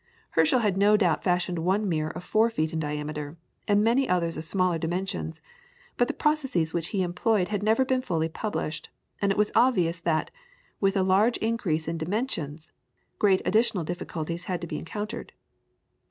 Herschel had no doubt fashioned one mirror of four feet in diameter, and many others of smaller dimensions, but the processes which he employed had never been fully published, and it was obvious that, with a large increase in dimensions, great additional difficulties had to be encountered.